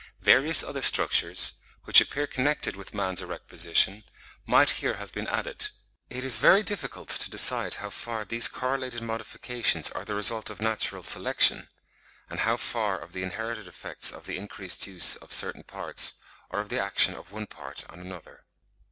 Various other structures, which appear connected with man's erect position, might here have been added. It is very difficult to decide how far these correlated modifications are the result of natural selection, and how far of the inherited effects of the increased use of certain parts, or of the action of one part on another.